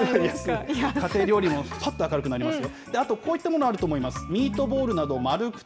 家庭料理もぱっと明るくなりますよ。